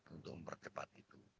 untuk mempercepat itu